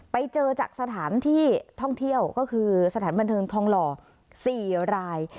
ไปเจอจากสถานที่ท่องเที่ยวก็คือสถานบันเทิงทองหล่อ๔ราย